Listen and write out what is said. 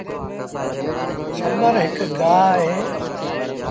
ڇٻر هڪ گآه اهي